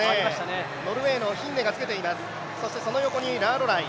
ノルウェーのヒンネが着けています、そしてその横にラアロライ。